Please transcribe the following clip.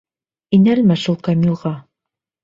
Инәлмә шул Камилға!